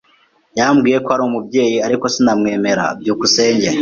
Yambwiye ko ari umubeshyi, ariko sinamwemera. byukusenge